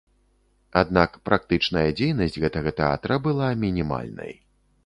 Аднак, практычная дзейнасць гэтага тэатра была мінімальнай.